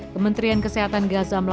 pemerintah kesehatan gaza mla